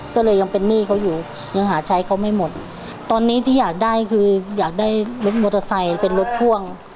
ก็เลยยังเป็นหนี้เขาอยู่ยังหาใช้เขาไม่หมดตอนนี้ที่อยากได้คืออยากได้รถมอเตอร์ไซค์เป็นรถพ่วง